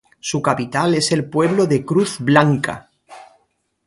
Su capital es el pueblo de Cruz Blanca.